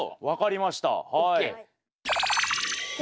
分かりましたはい。